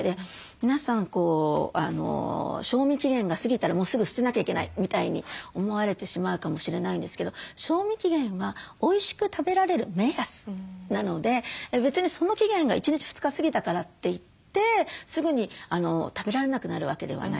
皆さん賞味期限が過ぎたらもうすぐ捨てなきゃいけないみたいに思われてしまうかもしれないんですけど賞味期限はおいしく食べられる目安なので別にその期限が１日２日過ぎたからといってすぐに食べられなくなるわけではない。